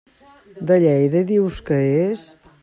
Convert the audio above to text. De Lleida dius que és?